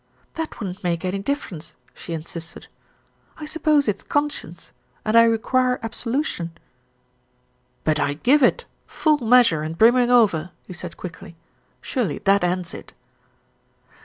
"That wouldn't make any difference," she insisted. "I suppose it's conscience, and I require absolution." "But I give it full measure and brimming over," he said quickly. "Surely that ends it."